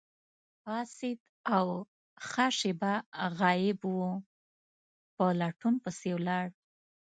پاڅید او ښه شیبه غایب وو، په لټون پسې ولاړ.